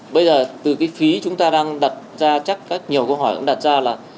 bây giờ từ cái phí chúng ta đang đặt ra chắc nhiều câu hỏi cũng đặt ra là